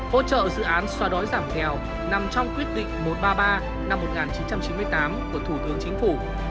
hỗ trợ dự án xoa đói giảm nghèo nằm trong quyết định một trăm ba mươi ba năm một nghìn chín trăm chín mươi tám của thủ tướng chính phủ